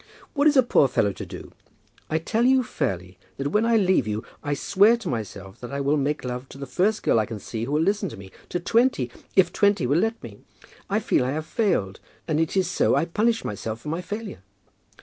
"What is a poor fellow to do? I tell you fairly that when I leave you I swear to myself that I will make love to the first girl I can see who will listen to me to twenty, if twenty will let me. I feel I have failed, and it is so I punish myself for my failure."